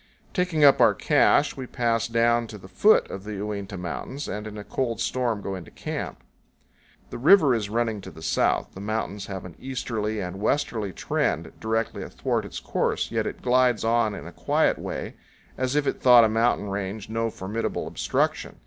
Taking up our cache, we pass down to the foot of the Uinta Mountains and in a cold storm go into camp. 128 CANYONS OF THE COLORADO. The river is running to the south; the mountains have an easterly and westerly trend directly athwart its course, yet it glides on in a quiet way as if it thought a mountain range no formidable obstruction.